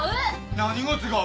何が違う？